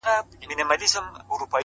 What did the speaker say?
سیاه پوسي ده” ورځ نه ده شپه ده”